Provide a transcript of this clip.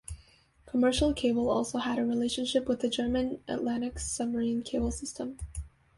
Commercial Cable also had a relationship with the German Atlantic submarine cable system.